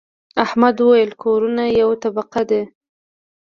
احمد وويل: کورونه یوه طبقه دي.